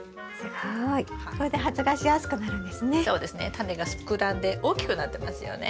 タネが膨らんで大きくなってますよね。